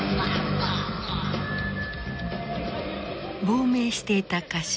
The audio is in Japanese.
亡命していた歌手